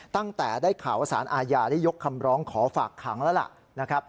ตั้งแต่ได้ข่าวว่าสารอาญาได้ยกคำร้องขอฝากขังแล้วล่ะนะครับ